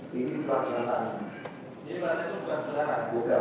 jadi pak saya itu bukan pelanggan